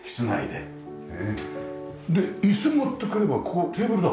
で椅子持ってくればここテーブルになる。